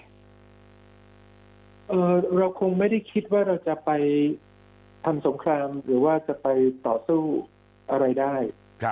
เราคงไม่ได้คิดว่าเราจะไปทำสงครามหรือว่าจะไปต่อสู้อะไรได้